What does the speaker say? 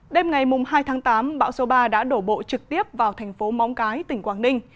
đêm ngày hai tháng tám bão số ba đã đổ bộ trực tiếp vào thành phố móng cái tỉnh quảng ninh